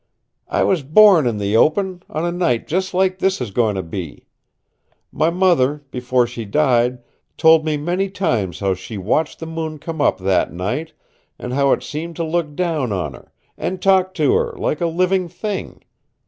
"I was born in the open, on a night just like this is going to be. My mother, before she died, told me many times how she watched the moon come up that night, and how it seemed to look down on her, and talk to her, like a living thing.